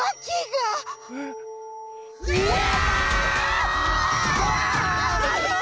うわ！